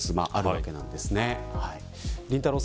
りんたろー。